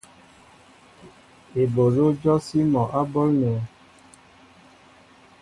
Eɓoló jɔsí mol á ɓólnέ.